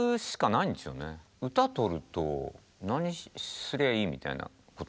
歌とると何すりゃいい？みたいなことなんで。